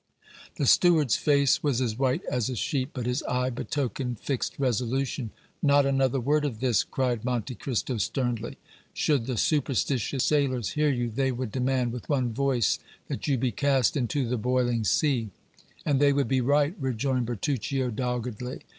The steward's face was as white as a sheet, but his eye betokened fixed resolution. "Not another word of this," cried Monte Cristo, sternly. "Should the superstitious sailors hear you, they would demand with one voice that you be cast into the boiling sea." "And they would be right," rejoined Bertuccio, doggedly.